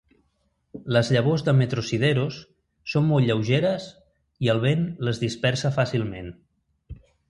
Les llavors de "metrosideros" són molt lleugeres i el vent les dispersa fàcilment.